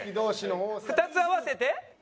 ２つ合わせて？